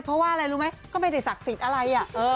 เพราะว่าอะไรรู้ไหมก็ไม่ได้ศักดิ์สิทธิ์อะไร